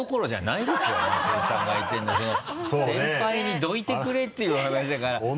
先輩にどいてくれっていう話だから。